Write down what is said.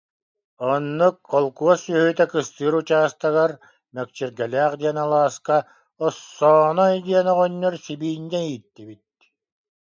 Оннук, холкуос сүөһүтэ кыстыыр учаастагар, Мэкчиргэлээх диэн алааска Оссооной диэн оҕонньор сибиинньэ ииттибит